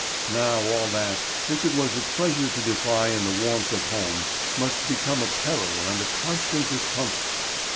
Now all that, which it was a pleasure to defy in the warmth of home, must become a peril and a constant discomfort.